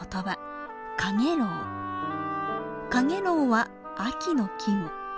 蜉蝣は秋の季語。